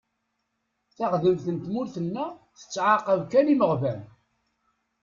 Taɣdemt n tmurt-nneɣ tettɛaqab kan imeɣban.